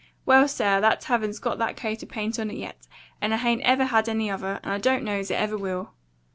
Well, sir, that tavern's got that coat of paint on it yet, and it hain't ever had any other, and I don't know's it ever will.